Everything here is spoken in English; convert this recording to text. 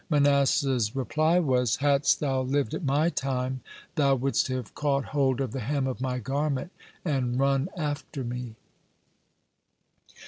Manasseh's reply was: "Hadst thou lived at my time, thou wouldst have caught hold of the hem of my garment and run after me."